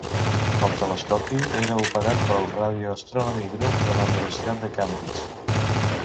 El telescopi era operat pel Radio Astronomy Group de la Universitat de Cambridge.